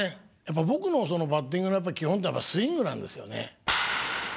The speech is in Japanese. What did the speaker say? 僕のバッティングの基本というのはスイングなんですよね。